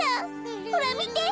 ほらみて！